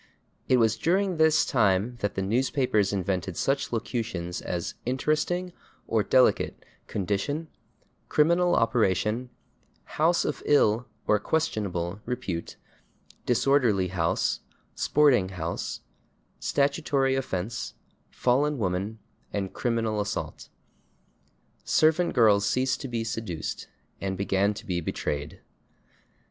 It was during [Pg127] this time that the newspapers invented such locutions as /interesting/ (or /delicate/) /condition/, /criminal operation/, /house of ill/ (or /questionable/) /repute/, /disorderly house/, /sporting house/, /statutory offense/, /fallen woman/ and /criminal assault/. Servant girls ceased to be seduced, and began to be /betrayed